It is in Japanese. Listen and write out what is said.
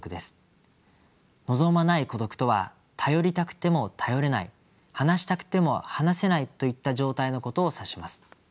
「望まない孤独」とは頼りたくても頼れない話したくても話せないといった状態のことを指します。